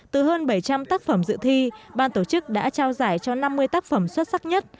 từ hơn bảy trăm linh tác phẩm dự thi ban tổ chức đã trao giải cho năm mươi tác phẩm xuất sắc nhất